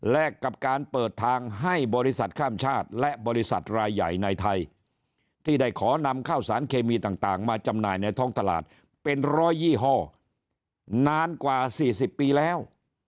และกับการเปิดทางให้บริษัทข้ามชาติและบริษัทรายใหญ่ในไทยที่ได้ขอนำข้าวสารเคมีต่างมาจำหน่ายในท้องตลาดเป็นร้อยยี่ห้อนานกว่า๔๐ปีแล้ว